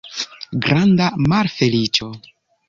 Granda malfeliĉo!